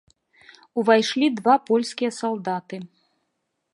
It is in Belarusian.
Увайшлі два польскія салдаты.